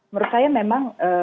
menurut saya memang